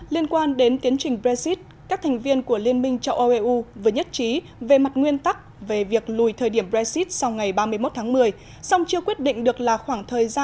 liên quan đến tiến trình brexit các thành viên của liên minh châu âu eu vừa nhất trí về mặt nguyên tắc về việc lùi thời điểm brexit sau ngày ba mươi một tháng một